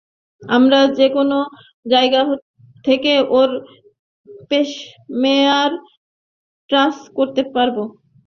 আমরা যেকোনো জায়গা থেকে ওর পেসমেকার ট্র্যাক করতে পারব।